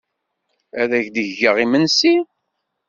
Ad ak-d-geɣ imensi?